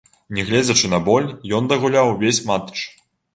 Нягледзячы на боль, ён дагуляў увесь матч.